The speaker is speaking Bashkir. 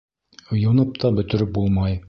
Юнып та бөтөрөп булмай.